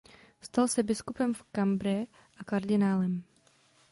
Stal se biskupem v Cambrai a kardinálem.